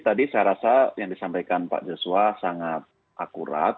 tadi saya rasa yang disampaikan pak joshua sangat akurat